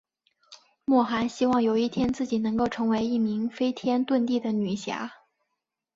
莫涵希望有一天自己能够成为一名飞天遁地的女侠。